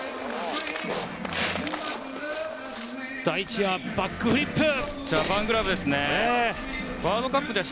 第１エア、バックフリップ！